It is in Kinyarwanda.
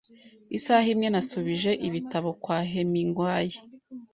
Isaha imwe nasubije ibitabo kwa Hemingwayi